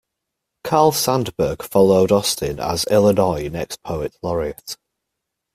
Carl Sandburg followed Austin as Illinois next poet laureate.